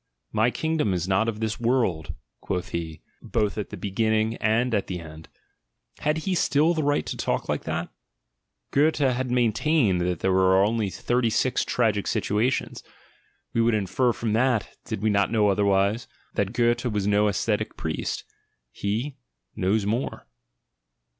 "My kingdom is not of this world," quoth he, both at the be ginning and at the end: had he still the right to talk like that? — Goethe has maintained that there are only thirty six tragic situations: we would infer from that, did we not know otherwise, that Goethe was no ascetic priest. He — knows more.